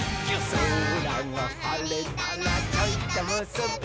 「そらがはれたらちょいとむすび」